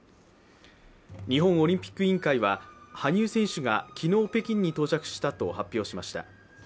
日本オリンピック委員会は、羽生選手が昨日、北京に到着したと発表しました。